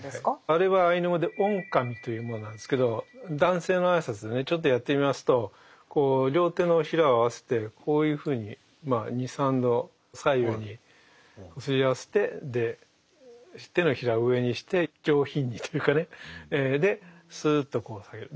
あれはアイヌ語でオンカミというものなんですけど男性の挨拶でねちょっとやってみますとこう両手のひらを合わせてこういうふうにまあ２３度左右にすり合わせてで手のひらを上にして上品にというかねですっとこう下げる。